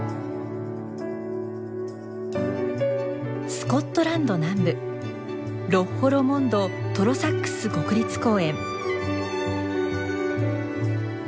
スコットランド南部ロッホ・ロモンド＝トロサックス国立公園。